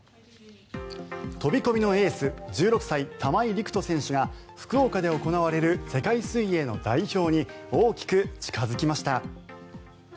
飛込のエース１６歳、玉井陸斗選手が福岡で行われる世界水泳の代表に大きく近付きました。